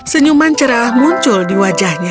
senyuman cerah muncul di wajahnya